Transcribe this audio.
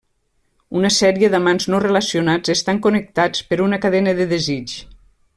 Una sèrie d'amants no relacionats estan connectats per una cadena de desig.